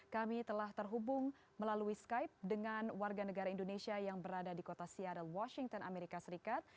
kami telah terhubung melalui skype dengan warga negara indonesia yang berada di kota seadal washington amerika serikat